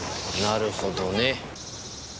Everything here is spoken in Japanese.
なるほどね。